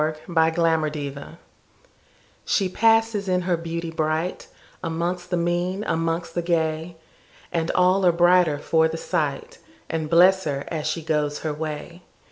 1840 The Secret SHE passes in her beauty brightAmongst the mean, amongst the gay, And all are brighter for the sight, And bless her as she goes her way.